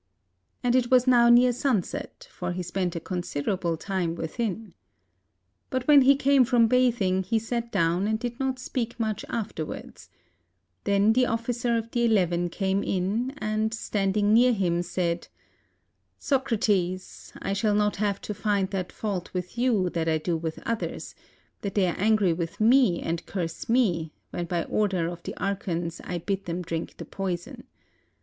And it was now near sunset; for he spent a consider able time within. But when he came from bathing, he sat down and did not speak much afterwards; then the officer of the Eleven came in, and standing near him said, "Socrates, I shall not have to find that fault with you that I do with others, that they are angry with me and curse me, when by order of the archons I bid them drink the poison.